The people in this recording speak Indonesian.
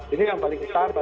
ini yang paling utama